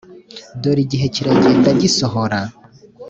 Dore igihe kirenda gusohora